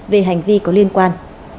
về hành vi có liên quan